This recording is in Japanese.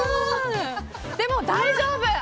でも大丈夫。